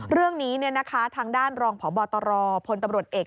เรื่องนี้ทางด้านรองพบตรพลตำรวจเอก